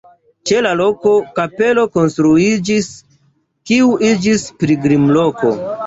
Ĉe la loko kapelo konstruiĝis, kiu iĝis pilgrimloko.